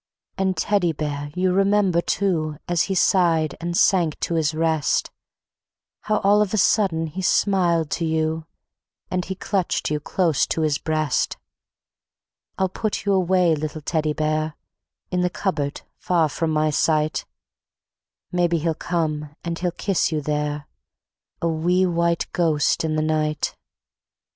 And, Teddy Bear! you remember, too, As he sighed and sank to his rest, How all of a sudden he smiled to you, And he clutched you close to his breast. I'll put you away, little Teddy Bear, In the cupboard far from my sight; Maybe he'll come and he'll kiss you there, A wee white ghost in the night.